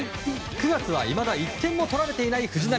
９月はいまだ１点も取られてない藤浪。